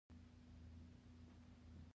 د لغمان لیمو ډیر اوبه لري